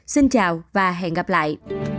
xin chào và hẹn gặp lại